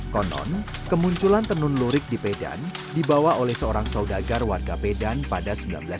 konon kemunculan tenun lurik di pedan dibawa oleh seorang saudagar warga pedan pada seribu sembilan ratus sembilan puluh